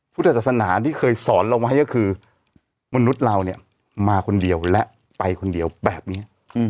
พุทธศาสนาที่เคยสอนเราไว้ก็คือมนุษย์เราเนี่ยมาคนเดียวและไปคนเดียวแบบนี้